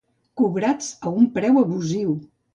Cobrats a un preu abusiu.